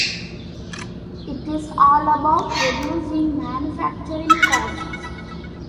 It is all about reducing manufacturing costs.